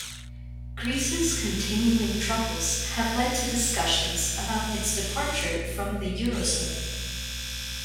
Greece's continuing troubles have led to discussions about its departure from the eurozone.